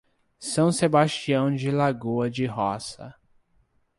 São Sebastião de Lagoa de Roça